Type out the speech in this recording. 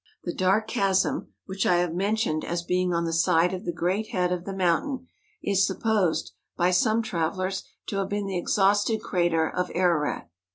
The dark chasm which I have mentioned as being on the side of the great head of the mountain, is supposed by some travellers to have been the exhausted crater of Ararat.